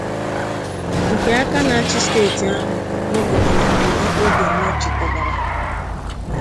nke ọ aka na-achị steeti ahụ bụ Gọvanọ Willie Obianọ chịkọbara